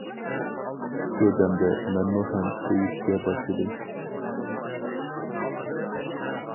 شۇ دەمدە مەنمۇ ھەم كۆيۈشكە باشلىدىم.